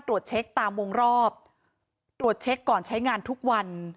ตรวจเช็คตามวงรอบตรวจเช็คก่อนใช้งานทุกวัน